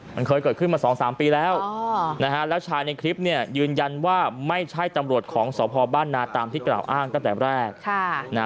มันเคยเกิดขึ้นมา๒๓ปีแล้วนะฮะแล้วชายในคลิปเนี่ยยืนยันว่าไม่ใช่ตำรวจของสพบ้านนาตามที่กล่าวอ้างตั้งแต่แรก